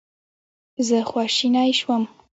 زه خواشینی شوم.